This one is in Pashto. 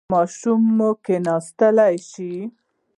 ماشوم مو کیناستلی شي؟